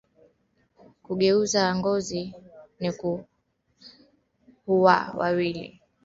Ku geuza ngozi ni kuhuwa mwili